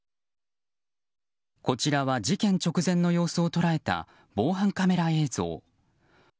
こちらは事件直前の様子を捉えた防犯カメラ映像。